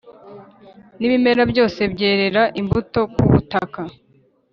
n’ibimera byose byerere imbuto ku butaka